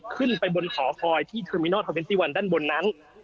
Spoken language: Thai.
ขึ้นไปบนหอพอยที่เทอร์มินอร์ท๒๑ด้านบนนั้น